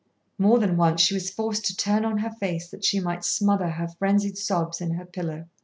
More than once she was forced to turn on her face that she might smother her frenzied sobs in her pillow.